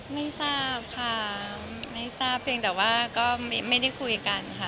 ไม่ทราบค่ะไม่ทราบเพียงแต่ว่าก็ไม่ได้คุยกันค่ะ